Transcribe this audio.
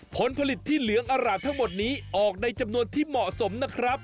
ผลผลิตที่เหลืองอร่ามทั้งหมดนี้ออกในจำนวนที่เหมาะสมนะครับ